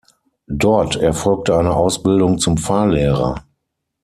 Dort erfolgte eine Ausbildung zum Fahrlehrer.